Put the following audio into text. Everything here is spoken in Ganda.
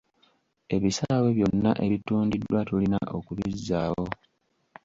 Ebisaawe byonna ebitundiddwa tulina okubizzaawo.